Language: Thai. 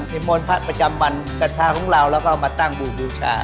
มนต์พระประจำวันกระทาของเราแล้วก็เอามาตั้งบูบูชา